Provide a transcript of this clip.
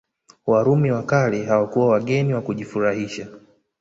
Warumi wa kale hawakuwa wageni wa kujifurahisha